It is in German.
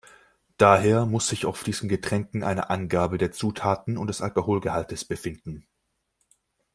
Daher muss sich auf diesen Getränken eine Angabe der Zutaten und des Alkoholgehaltes befinden.